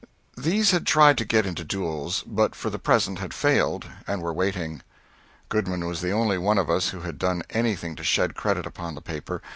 These had tried to get into duels, but for the present had failed, and were waiting. Goodman was the only one of us who had done anything to shed credit upon the paper.